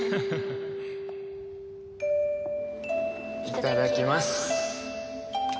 いただきます。